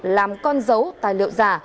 làm con dấu tài liệu giả